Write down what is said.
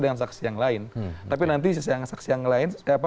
dengan saksi yang lain tapi nanti saksi yang lain